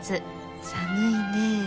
寒いねえ。